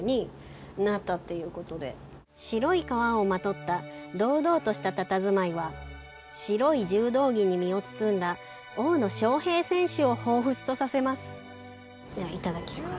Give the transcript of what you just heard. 朝井：白い皮をまとった堂々としたたたずまいは白い柔道着に身を包んだ大野将平選手を彷彿とさせますではいただきます。